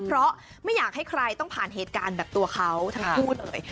เพราะไม่อยากให้ใครต้องผ่านเหตุการณ์แบบตัวเขาทั้งคู่เลย